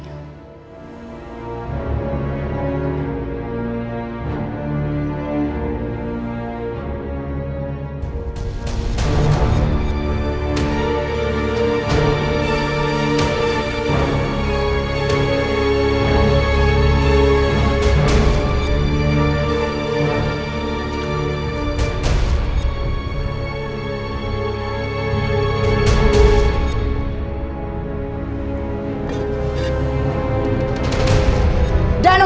dan mengambil dari rumah